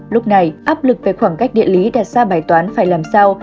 lúc này áp lực về khoảng cách địa lý đặt ra bài toán phải làm sao